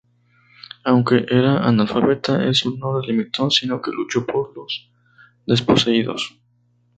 Aunque era analfabeta eso no la limitó, sino que luchó por los desposeídos.